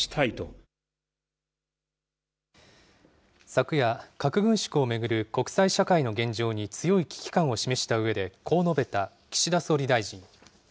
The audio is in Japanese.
昨夜、核軍縮を巡る国際社会の現状に強い危機感を示したうえで、こう述べた岸田総理大臣。